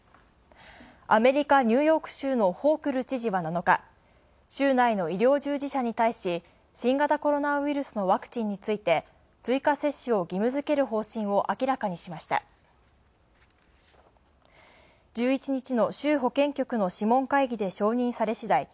アメリカ・ニューヨーク州のホークル知事は７日、州内の医療従事者に対し、新型コロナウイルスのワクチンについて、追加接種を義務づける方針を明らかにしました。